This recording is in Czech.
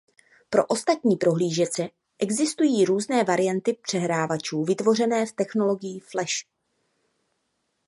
Pro ostatní prohlížeče existují různé varianty přehrávačů vytvořené v technologii Flash.